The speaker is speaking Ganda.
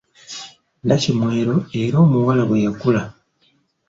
Nnakimwero era omuwala bwe yakula.